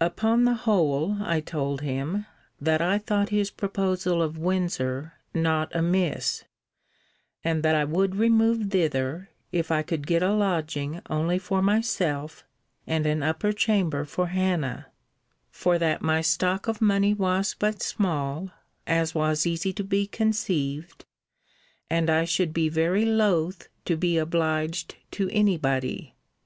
Upon the whole, I told him, that I thought his proposal of Windsor, not amiss; and that I would remove thither, if I could get a lodging only for myself, and an upper chamber for Hannah; for that my stock of money was but small, as was easy to be conceived and I should be very loth to be obliged to any body.